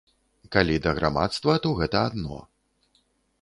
Калі да грамадства, то гэта адно.